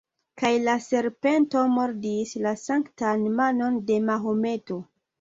Kaj la serpento mordis la sanktan manon de Mahometo.